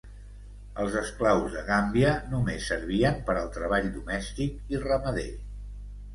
Els esclaus de Gàmbia només servien per al treball domèstic i ramader.